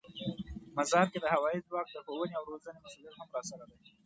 مزار کې د هوايي ځواک د ښوونې او روزنې مسوولیت هم راسره دی.